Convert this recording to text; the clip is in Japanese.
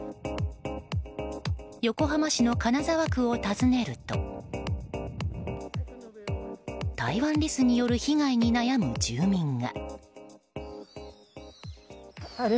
横浜市の金沢区を訪ねるとタイワンリスによる被害に悩む住民が。